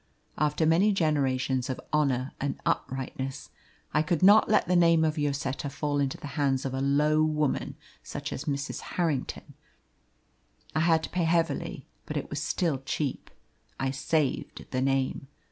After many generations of honour and uprightness I could not let the name of Lloseta fall into the hands of a low woman such as Mrs. Harrington. I had to pay heavily, but it was still cheap. I saved the name.